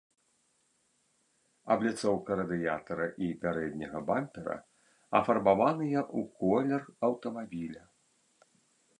Абліцоўка радыятара і пярэдняга бампера афарбаваныя ў колер аўтамабіля.